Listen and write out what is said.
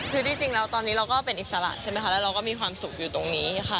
คือที่จริงแล้วตอนนี้เราก็เป็นอิสระใช่ไหมคะแล้วเราก็มีความสุขอยู่ตรงนี้ค่ะ